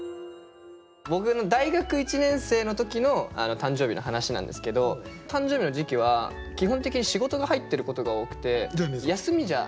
僕の大学１年生の時の誕生日の話なんですけど誕生日の時期は基本的に仕事が入ってることが多くて休みじゃなかったんですよ。